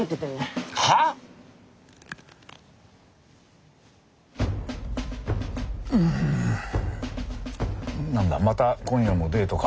はぁ⁉ん何だまた今夜もデートか？